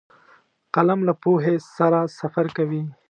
قلم له پوهې سره سفر کوي